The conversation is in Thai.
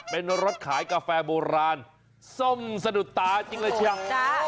เป็นรถขายกาแฟโบราณส้มสะดุดตาจริงเลยเชียว